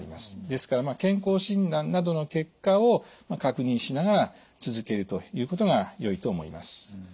ですから健康診断などの結果を確認しながら続けるということがよいと思います。